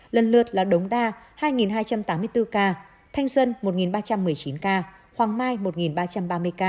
lần lượt là đống đa hai hai trăm tám mươi bốn ca thanh sơn một ba trăm một mươi chín ca hoàng mai một ba trăm ba mươi ca